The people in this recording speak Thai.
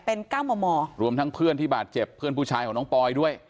เป็น๙มมรวมทั้งเพื่อนที่บาดเจ็บเพื่อนผู้ชายของน้องปอยด้วย